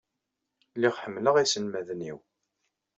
Lliɣ ḥemmleɣ iselmaden-inu.